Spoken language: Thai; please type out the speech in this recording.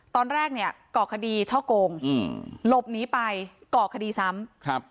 ตอนแรกเนี่ยก่อคดีช่อโกงอืมหลบหนีไปก่อคดีซ้ำครับ